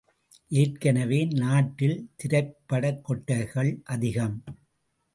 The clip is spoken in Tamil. ஏற்கனவே நாட்டில் திரைப்படக் கொட்டகைகள் அதிகம்!